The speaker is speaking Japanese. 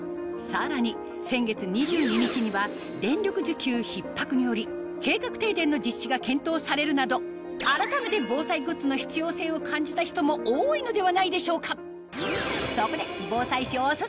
さらに先月２２日には電力需給窮迫により計画停電の実施が検討されるなどあらためて防災グッズの必要性を感じた人も多いのではないでしょうか